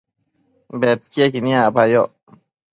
bedquiequi niacpayoc